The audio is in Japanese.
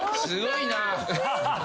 すごいな。